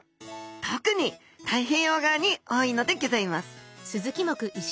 特に太平洋側に多いのでギョざいます。